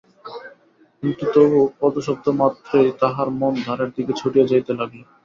কিন্তু তবু পদশব্দ মাত্রেই তাহার মন দ্বারের দিকে ছুটিয়া যাইতে লাগিল।